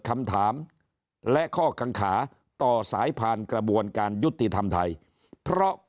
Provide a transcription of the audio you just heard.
คำถามและข้อกังขาต่อสายผ่านกระบวนการยุติธรรมไทยเพราะ